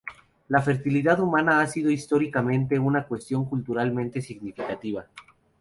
La fertilidad humana ha sido históricamente una cuestión culturalmente significativa.